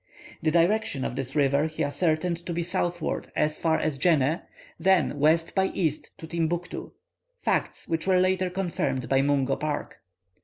The direction of this river he ascertained to be southward as far as Djeneh, then west by east to Timbuctoo facts which were later confirmed by Mungo Park.